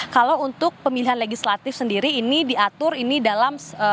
kalau untuk pemilihan legislatif sendiri ini diatur ini dalam